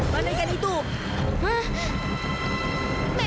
yah bisa sekarang